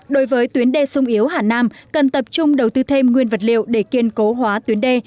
đối với tuyến đê sung yếu hà nam cần tập trung đầu tư thêm nguyên vật liệu để kiên cố hóa tuyến đê